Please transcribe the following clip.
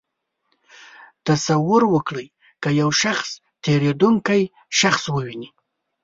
تصور وکړئ که یو شخص تېرېدونکی شخص وویني.